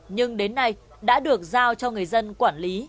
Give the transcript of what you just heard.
nhưng đến nay đã được giao cho người dân quản lý